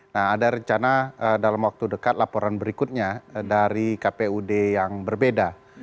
nah ada rencana dalam waktu dekat laporan berikutnya dari kpud yang berbeda